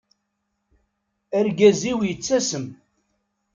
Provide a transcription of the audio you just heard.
Argaz-iw yettasem.